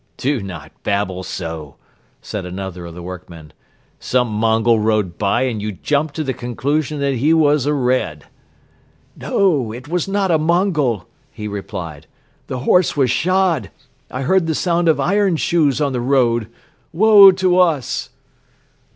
"Do not babble so," said another of the workmen. "Some Mongol rode by and you jumped to the conclusion that he was a Red." "No, it was not a Mongol," he replied. "The horse was shod. I heard the sound of iron shoes on the road. Woe to us!"